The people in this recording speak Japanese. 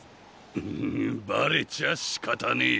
ヌググバレちゃしかたねえ。